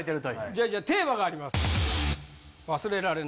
じゃあじゃあテーマがあります。